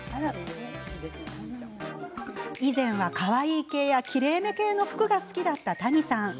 以前は、かわいい系やきれいめ系の服が好きだった谷さん。